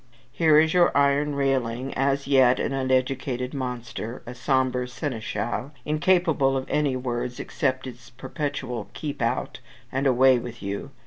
Here is your iron railing, as yet, an uneducated monster; a sombre seneschal, incapable of any words, except his perpetual "Keep out!" and "Away with you!"